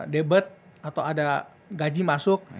debet atau ada gaji masuk